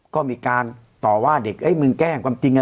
ก็มีการต่อว่าเด็กมึงแกล้งความจริง